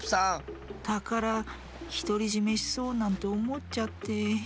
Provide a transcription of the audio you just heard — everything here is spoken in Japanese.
たからひとりじめしそうなんておもっちゃって。